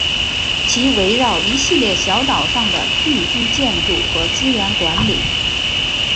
其围绕一系列小岛上的聚居建筑和资源管理。